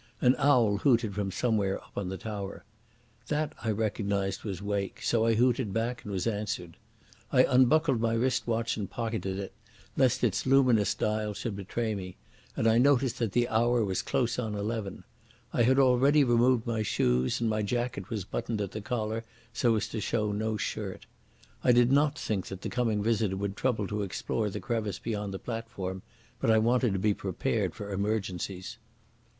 An owl hooted from somewhere up on the tower. That I reckoned was Wake, so I hooted back and was answered. I unbuckled my wrist watch and pocketed it, lest its luminous dial should betray me; and I noticed that the hour was close on eleven. I had already removed my shoes, and my jacket was buttoned at the collar so as to show no shirt. I did not think that the coming visitor would trouble to explore the crevice beyond the platform, but I wanted to be prepared for emergencies.